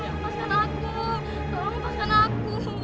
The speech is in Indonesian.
tolong lepaskan aku